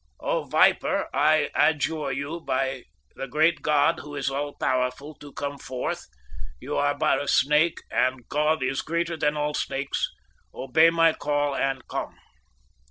"O viper, I adjure you, by the great God who is all powerful, to come forth. You are but a snake, and God is greater than all snakes. Obey my call and come."